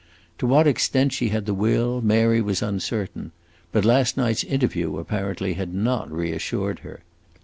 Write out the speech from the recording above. To what extent she had the will, Mary was uncertain; but last night's interview, apparently, had not reassured her.